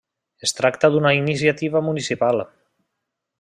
Es tracta d'una iniciativa municipal.